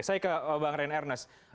saya ke bang ren ernest